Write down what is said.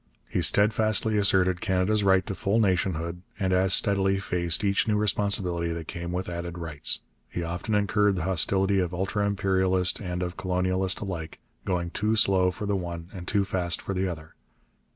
He steadfastly asserted Canada's right to full nationhood, and as steadily faced each new responsibility that came with added rights. He often incurred the hostility of ultra imperialist and of colonialist alike, going too slow for the one and too fast for the other.